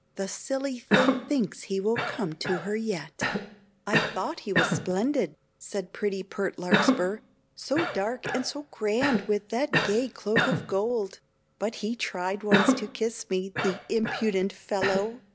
The silly thing thinks he will come to her yet." "I thought he was splendid," said pretty pert Larkspur, "So dark, and so grand with that gay cloak of gold; But he tried once to kiss me, the impudent fellow!